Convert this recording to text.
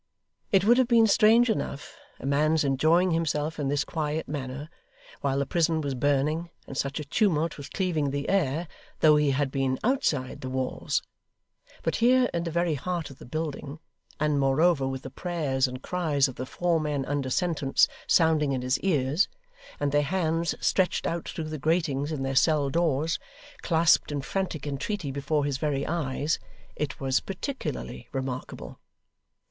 It would have been strange enough, a man's enjoying himself in this quiet manner, while the prison was burning, and such a tumult was cleaving the air, though he had been outside the walls. But here, in the very heart of the building, and moreover with the prayers and cries of the four men under sentence sounding in his ears, and their hands, stretched out through the gratings in their cell doors, clasped in frantic entreaty before his very eyes, it was particularly remarkable.